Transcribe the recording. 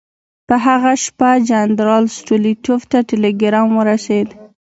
په هغه شپه جنرال ستولیتوف ته ټلګرام ورسېد.